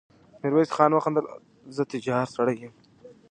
ميرويس خان وخندل: زه تجار سړی يم.